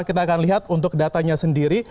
kita akan lihat untuk datanya sendiri